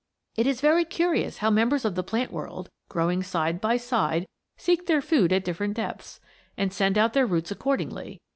It is very curious how members of the plant world, growing side by side, seek their food at different depths, and send out their roots accordingly.